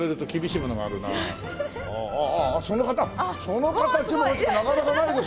その形なかなかないよ